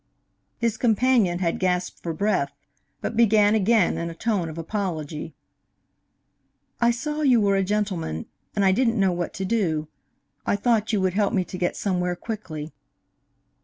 His companion had gasped for breath, but began again in a tone of apology: "I saw you were a gentleman, and I didn't know what to do. I thought you would help me to get somewhere quickly."